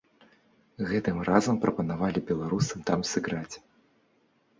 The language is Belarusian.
Гэтым разам прапанавалі беларусам там сыграць.